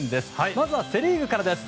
まずはセ・リーグからです。